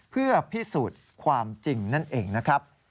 เพื่อพิสูจน์ความจริงนั่นเองนะครับ